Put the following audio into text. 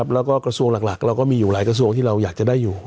แล้วก็กระทรวงหลักเราก็มีอยู่หลายกระทรวงที่เราอยากจะได้อยู่